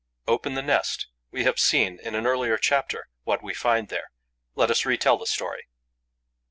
Open the nest. We have seen, in an earlier chapter, what we find there; let us retell the story.